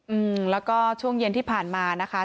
อืมแล้วก็ช่วงเย็นที่ผ่านมานะคะ